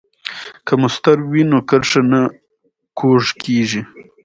که مسطر وي نو کرښه نه کوږ کیږي.